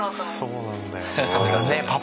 そうなんだよ。